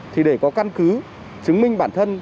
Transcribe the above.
thì để có cân cứ chứng minh bản thân